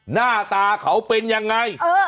หน้าตาเขาเป็นยังไง